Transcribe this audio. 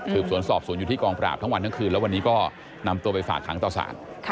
สวนสอบสวนอยู่ที่กองปราบทั้งวันทั้งคืนแล้ววันนี้ก็นำตัวไปฝากขังต่อสาร